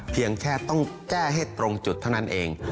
เพียงแค่ต้องแก้ให้ตรงจุดเท่านั้นเอง